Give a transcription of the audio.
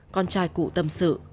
con trai cụ tâm sự